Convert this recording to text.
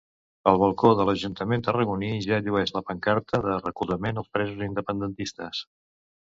El balcó de l'ajuntament tarragoní ja llueix la pancarta de recolzament als presos independentistes.